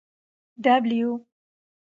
W